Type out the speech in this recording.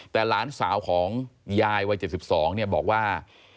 แต่หลานสาวของยายวัย๗๒บอกว่า